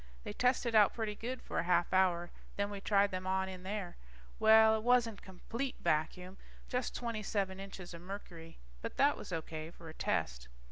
They tested out pretty good for a half hour, then we tried them on in there. Well, it wasn't a complete vacuum, just twenty seven inches of mercury, but that was O.K. for a test.